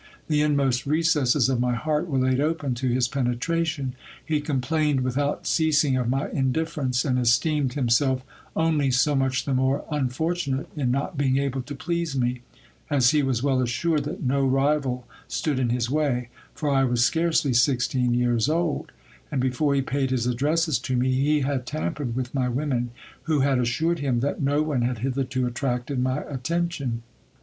The inmost recesses of my heart were laid open to his penetration. He complained without ceasing of my indifference ; and esteemed himself only so much the more unfortunate, in not being able to please me, as he was well assured that no rival stood in his way ; for I was scarcely sixteen years old ; and, before he paid his addresses to me, he had tampered with my women, who had assured him that no one had hitherto attracted my attention.